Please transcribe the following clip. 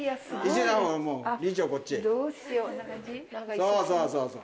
そうそうそうそう。